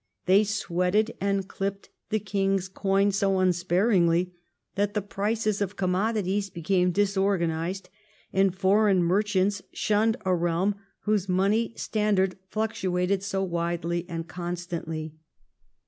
They sweated and clipped the king's coin so unsparingly that the prices of commodities became disorganised, and foreign merchants shunned a realm whose money standard fluctuated so widely and constantly.